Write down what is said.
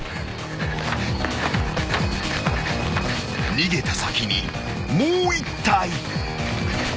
［逃げた先にもう１体］